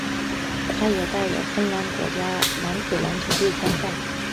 他也代表芬兰国家男子篮球队参赛。